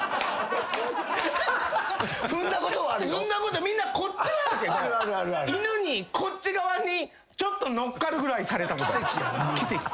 踏んだことみんなこっちはあるけど犬にこっち側にちょっとのっかるぐらいされたことある。